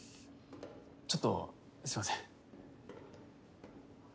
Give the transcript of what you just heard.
ちょっとすいません。